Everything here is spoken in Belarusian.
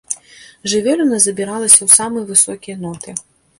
Жывёліна забіралася ў самыя высокія ноты.